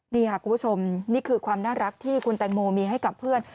นี่ค่ะคุณผู้ชมนี่คือความน่ารักที่คุณแตงโมมีให้กับเพื่อน